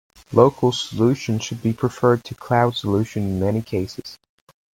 Local solutions should be preferred to cloud solutions in many cases.